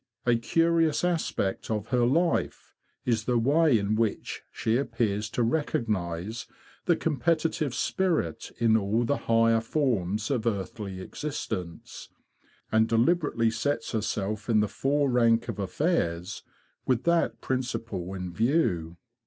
A curious aspect of her life is the way in which she appears to recognise the competitive spirit in all the higher forms of earthly existence, and deliberately sets herself in the fore rank of affairs with that principle in view.